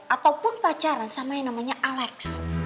ataupun pacaran sama yang namanya alex